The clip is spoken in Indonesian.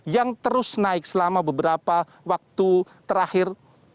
yang terus naik selama beberapa waktu terakhir